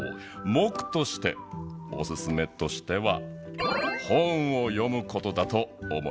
モクとしておすすめとしては本を読むことだと思います。